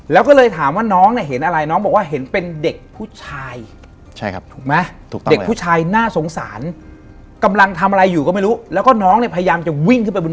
แล้วเราไปแบบ